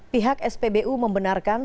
pihak spbu membenarkan